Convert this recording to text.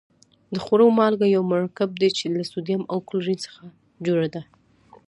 د خوړلو مالګه یو مرکب دی چې له سوډیم او کلورین څخه جوړه ده.